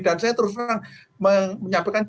dan saya terus terusan menyampaikan